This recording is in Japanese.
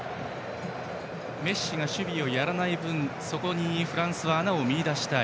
メッシが守備をやらない分そこにフランスは穴を見いだしたい。